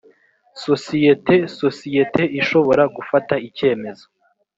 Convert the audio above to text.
sosiyete sosiyete ishobora gufata icyemezo